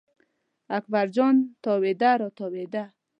اکبر جان تاوېده را تاوېده.